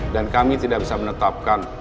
dan kami tidak bisa menetapkan